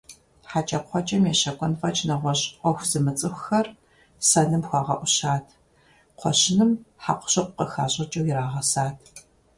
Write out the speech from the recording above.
ХьэкӀэкхъуэкӀэм ещэкӀуэн фӀэкӀ нэгъуэщӀ Ӏуэху зымыцӀыхухэр сэным хуагъэӀущат, кхъуэщыным хьэкъущыкъу къыхащӀыкӀыу ирагъэсат.